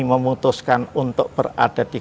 memutuskan untuk berada di